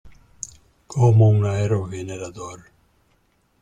Como un aerogenerador.